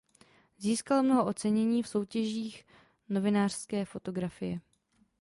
Získal mnoho ocenění v soutěžích novinářské fotografie.